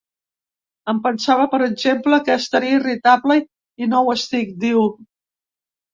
Em pensava, per exemple, que estaria irritable i no ho estic, diu.